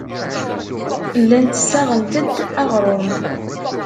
Llant ssaɣent-d aɣrum.